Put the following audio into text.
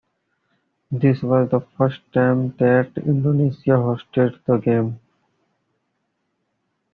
This was the first time that Indonesia hosted the games.